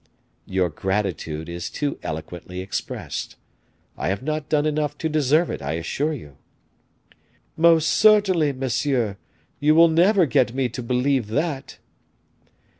"Your gratitude is too eloquently expressed. I have not done enough to deserve it, I assure you." "Most certainly, monsieur, you will never get me to believe that."